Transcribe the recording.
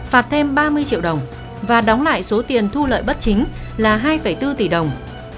phạt thêm ba mươi triệu đồng và đóng lại số tiền thu lợi bất chính là hai bốn tỷ đồng